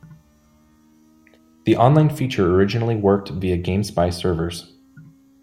The online feature originally worked via GameSpy servers.